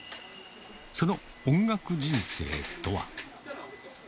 その音楽人生とは。